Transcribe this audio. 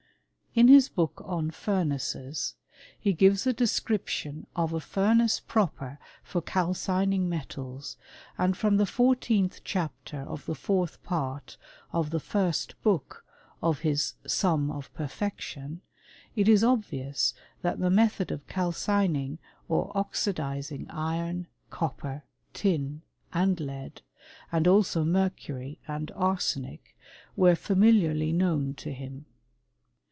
In his book on furnaces, he gives a description of a furnace proper for calcining metals, and from the fourteenth chapter of the fourth part of the first book of his Sum of Perfection, it is obvious that the method of calcining or oxidizing iron, copper, tin, and lead, and also mercury and arsenic were fa miliarly known to him.